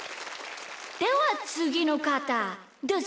ではつぎのかたどうぞ。